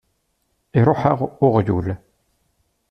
Iṛuḥ-aɣ uɣyul!